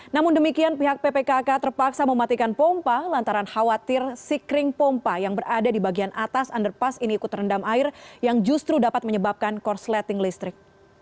namun demikian pihak ppkk terpaksa mematikan pompa lantaran khawatir si kering pompa yang berada di bagian atas underpass ini ikut terendam air yang justru dapat menyebabkan korsleting listrik